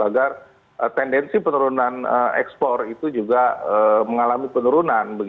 agar tendensi penurunan ekspor itu juga mengalami penurunan